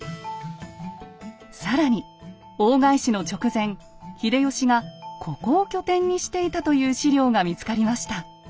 更に大返しの直前秀吉がここを拠点にしていたという史料が見つかりました。